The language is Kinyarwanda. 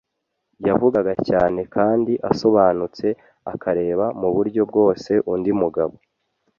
yavugaga cyane kandi asobanutse, akareba mu buryo bwose undi mugabo.